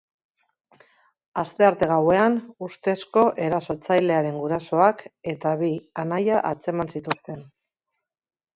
Astearte gauean ustezko erasotzailearen gurasoak eta bi anaia atzeman zituzten.